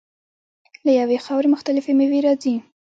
له یوې خاورې مختلفې میوې راځي.